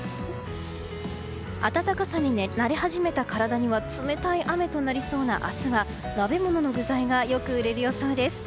暖かさに慣れ始めた体には冷たい雨となりそうな明日は鍋物の具材がよく売れる予想です。